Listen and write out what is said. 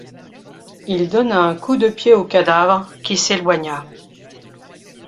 Il donna un coup de pied au cadavre, qui s’éloigna.